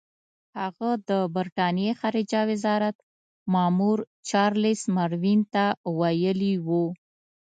هغه د برټانیې خارجه وزارت مامور چارلس ماروین ته ویلي وو.